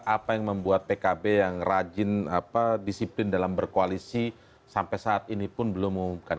apa yang membuat pkb yang rajin disiplin dalam berkoalisi sampai saat ini pun belum mengumumkan